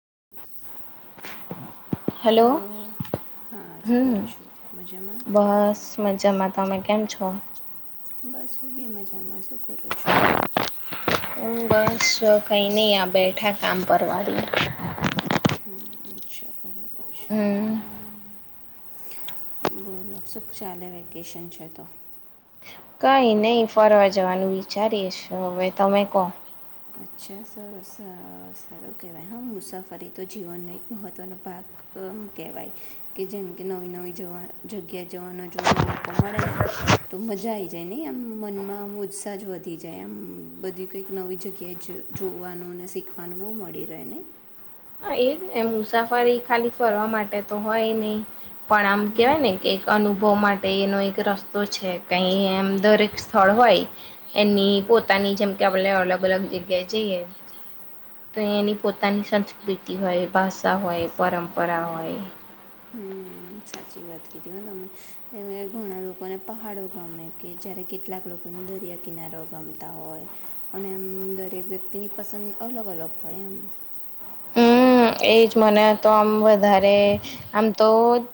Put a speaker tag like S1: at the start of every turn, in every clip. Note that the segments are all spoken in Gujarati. S1: [inaudible] હલો હા શું કરો છો મજામાં
S2: તમે કેમ છો?
S1: બસ હૂબી મજામાં શું કરો છો તમે
S2: હ બસ કઈ નહી આ બેઠા કામ પર વાળ
S1: હમ્મ અચ્છા બરાબર છે. બોલો સુખ ચાલે વેકેશન છે તો
S2: કઈ નહી ફરવા જવાનું વિચારીશ હવે તમે કો
S1: અચ્છા સરસ સર સારું કહેવાય હા મુસાફરી તો જીવનનો એક મહત્વનો ભાગ મ કહેવાય કે જેમ કે નવી નવી જવા જગ્યા જવાનો જો મોકો મળે ને તો મજા આવી જાય નહીં એમ મનમાં ઉત્સાહ જ વધી જાય એમ બધી કંઈક નવી જગ્યા કે જ જોવાનું ને શીખવાનું બહુ મળી રહે ને
S2: એમ મુસાફરી ખાલી ફરવા માટે તો હોય નય પણ આમ કેવાય ને કે એક અનુભવ માટે એનો એક રસ્તો છે કઈ એમ દરેક સ્થળ હોય એની પોતાની જેમ કે આપણે અલગ અલગ જગ્યાએ જઈએ તો એની પોતાની સંસ્કૃતિ હોય ભાષા હોય પરંપરા હોય
S1: હમ સાચી વાત કીધી હો તને ઘણા લોકોને પહાડો ગમે કે જયારે કેટલાક લોકોને દરિયા કિનારો ગમતા હોય અને એમ દરેક વ્યક્તિની પસંદ અલગ અલગ હોય એમ
S2: તો આમ વધારે આમ તો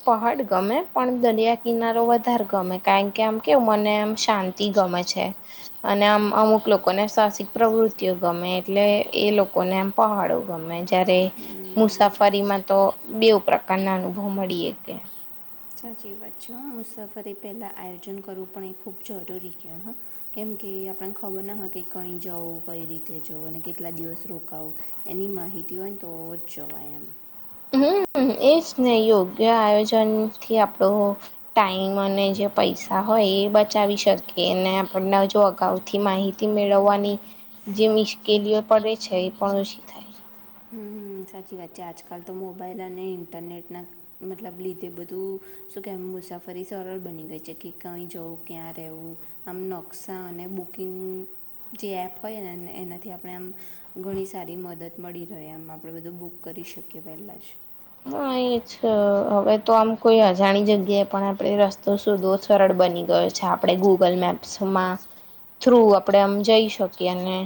S2: પહાડ ગમે પણ દરિયા કિનારો વધારે ગમે કારણ કે આમ કેવું મને આમ શાંતિ ગમે છે અને આમ અમુક લોકોને સાહસિક પ્રવૃત્તિઓ ગમે એટલે એ લોકોને આમ પહાડો ગમે જ્યારે મુસાફરીમાં તો બેવ પ્રકારના અનુભવ મળીએ કે
S1: સાચી વાત છે મુસાફરે એ પહેલા આયોજન કરવું પણ એ ખૂબ જરૂરી છે હ કેમ કે આપણને ખબર ના હો કે કઈ જવું કઈ રીતે જવું અને કેટલા દિવસ રોકાવું એની માહિતી હોય ને તો જ જવાય એમ
S2: હમ એજ ને યોગ્ય આયોજન થી આપણો ટાઈમ અને જે પૈસા હોય એ બચાવી શકીએ અને આપણને જો અગાઉથી માહિતી મેળવવાની જે મુશ્કેલીઓ પડે છે એ પણ ઓછી થાય.
S1: હમ સાચી વાત છે આજકાલ તો મોબાઈલ અને ઇન્ટરનેટના મતલબ લીધે બધું શું કેમ મુસાફરી સરળ બની ગઈ છે કે કંઈ જવું ક્યાં રહેવું આમ નકશા અને બુકિંગ જે એપ હોય ને એનાથી આપણે આમ ઘણી સારી મદદ મળી. તો એમમાં આપણે બધું બુક કરી શકીએ પહેલાં જ.
S2: હ એ છે હવે તો આમ કોઈ અજાણી જગ્યાએ પણ આપણે રસ્તો શોધવો સરળ બની ગયો છે. આપણે ગૂગલ મેપ્સમાં થ્રુ આપણે આમ જઈ શકીએ અને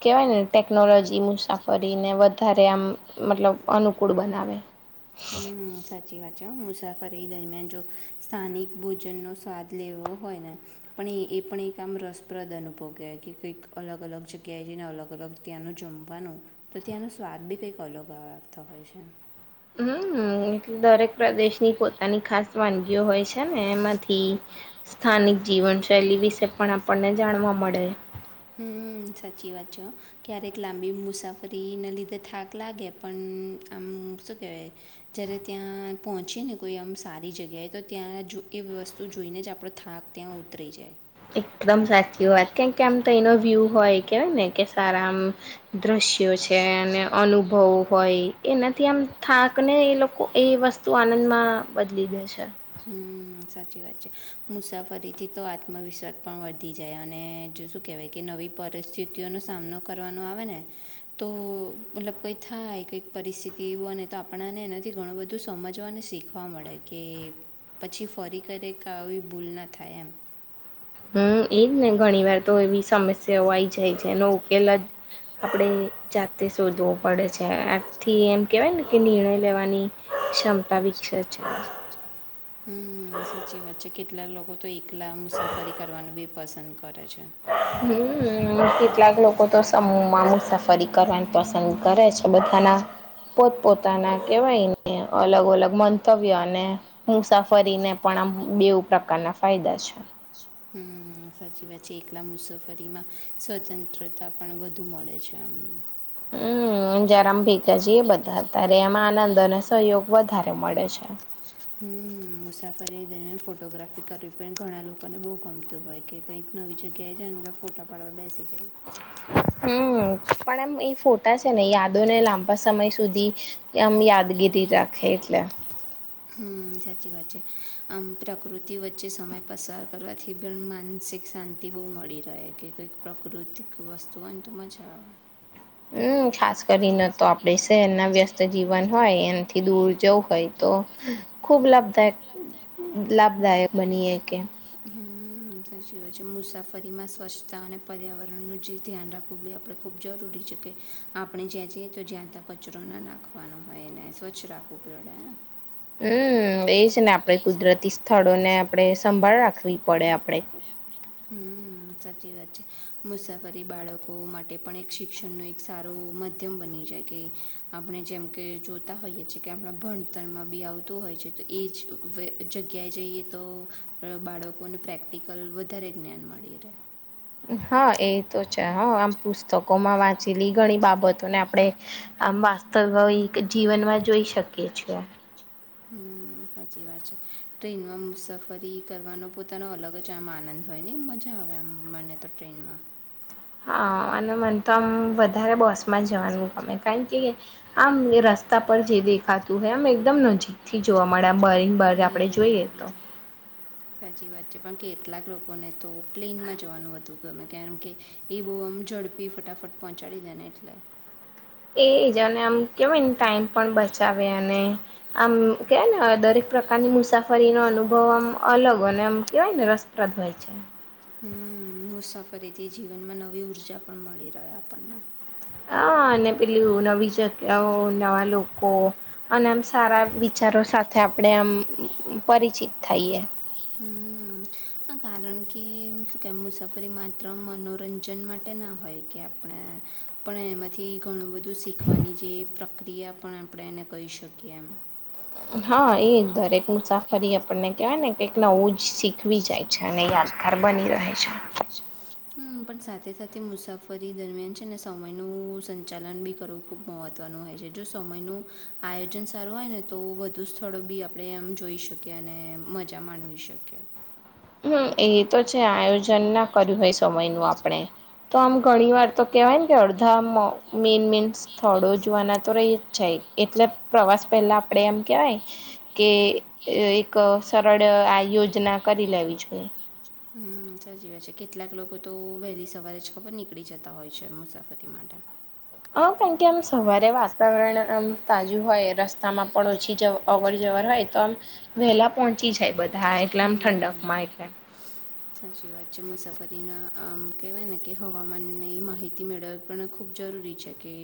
S2: કેવાય ને ટેકનોલોજી મુસાફરીને વધારે આમ મતલબ અનુકૂળ બનાવે
S1: હમ સાચી વાત છે મુસાફરી દરમિયાન જો સ્થાનિક ભોજનનો સ્વાદ લેવો હોય ને પણ એ એ પણ એક આમ રસપ્રદ અનુભવ કે કંઈક અલગ અલગ જગ્યાએ જઈને અલગ અલગ ત્યાંનું જમવાનું તો ત્યાંનો સ્વાદ બી કંઈક અલગ આવતો હોય છે.
S2: હમ એટલે દરેક પ્રદેશની પોતાની ખાસ વાનગીઓ હોય છે ને એમાંથી સ્થાનિક જીવનશૈલી વિશે પણ આપણને જાણવા મળે.
S1: હમ સાચી વાત છે હ ક્યારેક લાંબી મુસાફરી ના લીધે થાક લાગે પણ આમ શું કેવાય જયારે ત્યાં પહોંચી ને કોઈ આમ સારી જગ્યાએ તો ત્યાં એ વસ્તુ જોઈને જ આપડો થાક ત્યાં ઉતરે
S2: એકદમ સાચી વાત કેમ કેમ આમ તો એનો વ્યૂ હોય કેવાય ને કે સારા આમ દ્રશ્યો છે અને અનુભવ હોય એનાથી આમ થાક ને એ લોકો એ વસ્તુ આનંદમાં બદલી દે છે.
S1: હમ સાચી વાત છે મુસાફરીથી તો આત્મવિશ્વાસ પણ વધી જાય અને જો શું કેવાય કે નવી પરિસ્થિતિઓનો સામનો કરવાનો આવે ને તો મતલબ કઈ થાય કંઈ પરિસ્થિતિ એને તો આપણાને એનાથી ઘણું બધું સમજવા અને શીખવા મળે કે પછી ફોરી કરે ક આવી ભૂલ ના થાય એમ.
S2: હમ એજ ને ઘણી વાર તો એવી સમસ્યાઓ આ આઈ જાય છે એનો ઉકેલ જ આપડે જાતે શોધવો પડે છે આથી એમ. કેવાય ને કે નિર્ણય લેવાની. ક્ષમતા વિકશે છે
S1: હમ સાચી વાત છે કેટલાક લોકો તો એક ટલા મ સફરી કરવાનું બી પસંદ કરે છે.
S2: હમ કેટલાક લોકો તો સમૂહમાં મુસાફરી કરવાની પસંદ કરે છે બધાના પોતપોતાના કેવાયને અલગ અલગ મંતવ્ય અને મુસાફરીને પણ આમ બેવું પ્રકારના ફાયદા છે.
S1: હ સાચી વાત છે એકલા મુસાફરીમાં સ્વતંત્રતા પણ વધુ મળે છે આમ.
S2: હમ જ્યારે આમ ભેગા જઈએ બધા ત્યારે એમાં આનંદ અને સહયોગ વધારે મળે છે.
S1: હમ મુસાફરી દરમિયાન ફોટોગ્રાફી કરવી પણ ઘણા લોકોને બહુ ગમતું હોય કે કંઈક નવી જગ્યાએ જાય ને ફોટા પાડવા બેસી જાય.
S2: પણ એમ એ ફોટા છે ને યાદો ને લાંબા સમય સુધી આમ યાદગીરી રાખે એટલે.
S1: હમ સાચી વાત છે આમ પ્રકૃતિ વચ્ચે સમય પસાર કરવાથી પણ માનસિક શાંતિ બહુ મળી રહે કે કંઈક પ્રકૃતિક વસ્તુ હોયને તો મજા આવે.
S2: હમ ખાસ કરીને તો આપડે શહેરના વ્યસ્ત જીવન હોય એનાથી દૂર જવું હોય તો ખુબ લાભદાયક લાભદાયક બનીએ કે.
S1: હમ સાચી વાત છે મુસાફરીમાં સ્વચ્છતા અને પર્યાવરણનું જે ધ્યાન રાખવું બી આપડે ખૂબ જરૂરી છે કે આપણે જ્યાં જઈએ તો જ્યાં ત્યાં કચરો ના નાખવાનો હોય એને સ્વચ્છ રાખવું પડેને.
S2: હમ એ છે ને આપડે કુદરતી સ્થળો ને પડે સંભાળ રાખવી પડે આપડે.
S1: હમ સાચી વાત છે મુસાફરી બાળકો માટે પણ એક શિક્ષણનો એક સારો માધ્યમ બની જાય કે આપણે જેમ કે જોતા હોઈએ છીએ કે આપણા ભણતરમાં બી આવતું હોય છે તો એ જ જગ્યાએ જઈએ તો બાળકોને પ્રેક્ટિકલ વધારે જ્ઞાન મળી રે.
S2: હા એ તો છે હ આમ પુસ્તકોમાં વાંચેલી ઘણી બાબતોને આપડે આમ વાસ્તવ જીવનમાં જોઈ શકીએ છે.
S1: હમ સાચી વાત છે ટ્રેનમાં મુસાફરી કરવાનો પોતાનો અલગ જ આમ આનંદ હોય નને મજા આવે આમ મને તો ટ્રેનમાં.
S2: હા અનેનું મને તો આમ વધારે બસ માં જવાનું ગમે કારણ કે આમ રસ્તા પર જે દેખાતું હોય આમ એકદમ નજીકથી જોવા મ મળે બંઈગ બ આપડે જોઈએ તો.
S1: ટલાક લોકોને તો પ્લેનમાં જવાનું હતું ગમે કેમ કે એ બહુ આમ ઝડપી ફટાફટ પહોંચાડી દે ને એટલે
S2: એજ આને આમ કેમયને ટાઈમ પણ બ ચાવે અને આમ કેવાય ને દરેક પ્રકારની મુસાફરીનો અનુભવ આમ અલગ હો અને આમ કેવાય ને રસપ્રદ હોય છે.
S1: ફરીથી જીવનમાં નવી ઊર્જા પણ મળી રહે આપણને.
S2: હા અને પેલું નવી જગ્યાઓ નવા લોકો અને આમ સારા વિચારો સાથે આપડે આમ પરિચિત થઈએ.
S1: હમ કારણ કે શું કે મુસાફરી માત્ર મનોરંજન માટે ના હોય કે આપણે પણ એમાંથી ઘણું બ ધુ શીખવાની જે પ્રકૃ તિયા પણ આપડે એને કહી શકીએ એમ.
S2: હા એ દરેક મુસાફરી આપણને કેવાય ને કઈક નવું જ શીખવી જાય છે અને યાદગાર બની રહે છે.
S1: હમ પણ સાથે સાથે મુસાફરી દરમિયાન છે ને સમયનું સંચાલન બી કરવું ખૂબ મહત્વનું હોય છે જો સમયનું આયોજન સારું હોય ને તો વધુ સ્થળો બી આપડે આમ જોઈ શકીએ અને મજા માણવી શકીએ.
S2: હમ. એ તો છે આયોજન ના કર્યું હોય તમય નું આપણે તો આમ ઘણી વાર તો કેવાયને કે અડધા મેન મેન સ્થળો જોવાના તો રહી જાય એટલે પ્રવાસ પહેલા આપડે એમ કેવાય કે એક સરળ આ યોજના ક કરી લેવી જોઈએ
S1: હમ સાચી વાત છે કેટલાક લોકો તો વહેલી સવારે જ ખબર નીકળી જતા હોય છે મુસાફરી માટે
S2: હ કારણ કે આમ સવારે વાતાવરણ આમ તાજું હોય રસ્તામાં પણ ઓછી જ અવર જવર હોય તો આમ વહેલાં પહોંચી જાય બધું
S1: હ સાચી વાત છે મુસાફત તેના આમ કહેવાય ને કે હવામાનની માહિતી મેળવવી પણ ખૂબ જરૂરી છે કે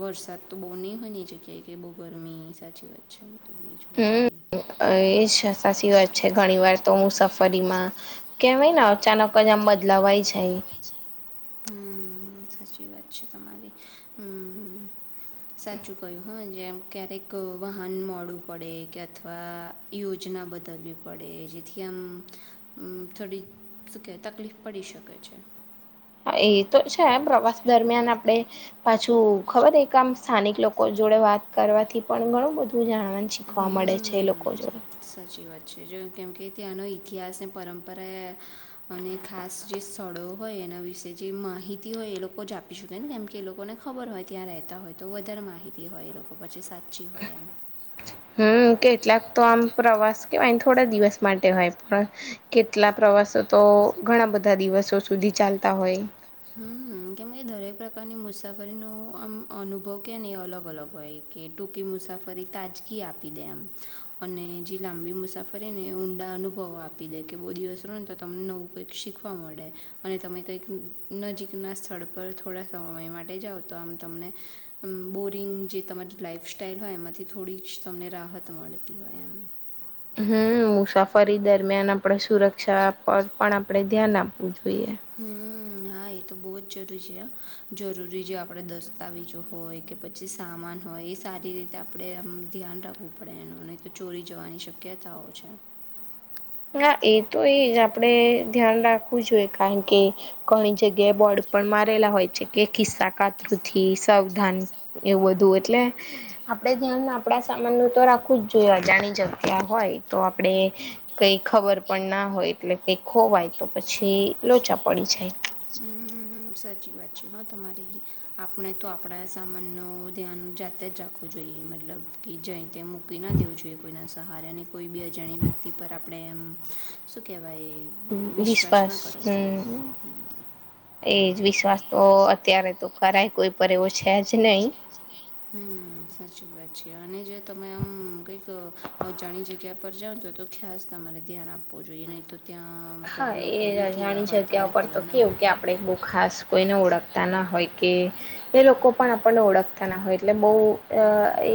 S1: વરસાદ તો બહુ નહીં હોની જગ્યાએ કે બહુ ગરમી સાચી વાત છે
S2: હમ એજ સાશી વાત છે છે ઘણી વાર તો હું સફરીમાં કેવાય ને અચાનક જ આમ બદલાવાય જાય
S1: હમ સાચી વાત છે તમારી હમ સાચું કય્યું હ જેમ ક્યારેક વાહન મોડવું પડે કે અથવા યોજના બદલવી પડે જેથી આમ થોડી તકલીફ પડી શકે છે
S2: એ તો છે પ્રવાસ દરમિયાન આપડે પાછું ખબર આમ સ્થાનિક લોકો જોડે વાત કરવાથી પણ ઘણું બધું જાણ શીખવા મળે છે લોકો જોડે
S1: કેમકે ત્યાંનો ઇતિહાસ ને પરંપરા અને ખાસ જે સ્થળો હોય એના વિશે જે માહિતી હોય એ લોકો જ આપી શકે ને કેમકે એ લોકોને ખબર હોય ત્યાં રહેતા હોય તો વધારે માહિતી હોય એ લોકો પછી સાચી હોય એમ
S2: હમ કેટલાક તો આમ પ્રવાસ કે થોડા દિવસ માટે હોય પણ કેટલા પ્રવાસો તો ઘણા બધા દિવસો સુધી ચાલતા હોય
S1: હમ કેમ દરેક પ્રકારની મુસાફરીનો આમ અનુભવ કે ને એ અલગ અલગ હોય કે ટૂંકી મુસાફરી તાજગી આપી દે આમ અને જે લાંબી મુસાફરી ને એ ઊંડા અનુભવ આપી દે કે બહુ દિવસ રો ને તો તમને નવું કંઈક શીખવા મળડે અને તમે કઈક નજીકના સ્થળ પર થોડા સમય માટે જાઓ તો આમ તમને બોરિંગ જે તમારી લાઈફસ્ટાઈઇલ હોય એમાંથી થોડી જ તમને રાહત મળતી હોય એમ
S2: હમ મુસાફ ફરી દરમિયાન આપણે સુરક્ષા પર પણ આપડણે ધ્યાન આપવું જોઈએ
S1: હમ હા એ તો બહુ જ જરૂરી છે જરૂરી જો આપણે દસ્તાવેજો હોય કે પછી સામાન હોય એ સારી રીતે આપણે આમ ધ્યાન રાખવું પડે એનું નહી તો ચોરી જવાની શક્યતાઓ છે
S2: હા એ તો એજ આપડણે ધ્યાન રાખવું જોઈએ કારણ કે ઘણી જગ્યાએ બોર્ડ પણ મારેલા હોય છે કે ખિસ્સા કાતુથી સાવધાન એવું બધું એટલે આપડે ધ્યાન આપણા સામાન નું તો રાખવું જ જોઈએ અજાણી જગ્યા હોય તો આપણે કઈ ખબર પણ ના હોય એટલે કઈ ખોવાય તો પછી લોચા પડી જાય
S1: હમ સાચી વાત છે હા તમારે આપણે તો આપણા સામાન ન ધ્યાન જાતે જ રાખવું જોઈએ મતલબ કે જય તે મૂકી ના દેવું જોઈએ કો સહ અને કોઈ બી અજાણી વ્યક્તિ પર આપણે એમ શું કેવાય ભાઈ વિશ્વાસ ના કરવો જોઈએ
S2: એ જ વિશ્વાસ તો અત્યારે તો કરાય કોઈ પર એવો છે જ નહી
S1: હમ સાચી વાત છે અને જો તમે આમ કઈક અજાણી જગ્યા પર જાાવઓ તો તો ખાસ તમારે ધ્યાન આપવું જોઈએ નહી તો
S2: હા એ રજાણી જગ્યા પર તો કેવું કે આપડે બુ ખાસ કોઈને ઓળખ ના હોય કે એ લોકો પણ આપણને ઓળખતા ના હોય એટલે બહ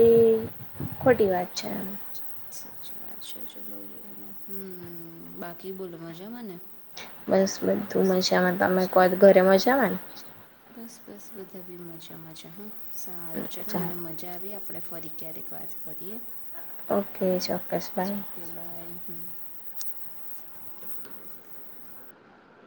S2: એ ખોટી વાત છે એમ
S1: સાચી વાત છે ચલો જ હ બાકી બોલ મજા મને
S2: બસ બધું મશેમાં તમે કોઈ ઘરેમાં જ જવાન
S1: બસ બસ બધા બી મજામાંજા હા સારું છે ને મને મજા આવી આપ આપણે ફરી ક્યારેક વાત કરીએ.
S2: ઓકે ચોક્કસભાઈ.